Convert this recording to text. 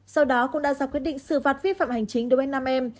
sau đó cũng đã ra quyết định xử phạt vi phạm hành chính đối với nam em